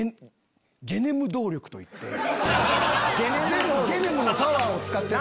全部ゲネムのパワーを使ってる。